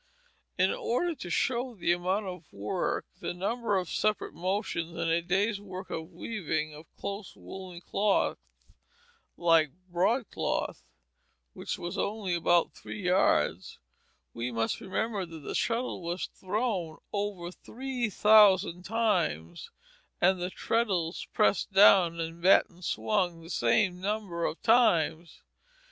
In order to show the amount of work, the number of separate motions in a day's work in weaving of close woollen cloth like broadcloth (which was only about three yards), we must remember that the shuttle was thrown over three thousand times, and the treadles pressed down and batten swung the same number of times.